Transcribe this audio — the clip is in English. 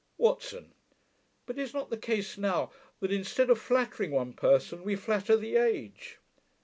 WATSON. 'But is not the case now, that, instead of flattering one person, we flatter the age?'